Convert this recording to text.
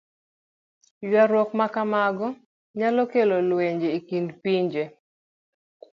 Ywaruok ma kamago nyalo kelo lweny e kind pinje.